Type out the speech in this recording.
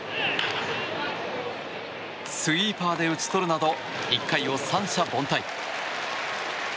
スイーパーで打ち取るなど１回を三者凡退。